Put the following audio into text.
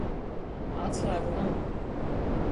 Atslēgu nav.